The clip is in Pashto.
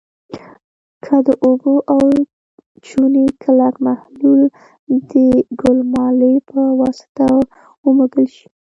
که د اوبو او چونې کلک محلول د ګلمالې په واسطه ومږل شي.